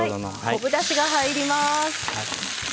昆布だしが入ります。